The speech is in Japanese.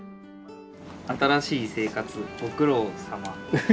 「新しい生活ごくろうさま！」。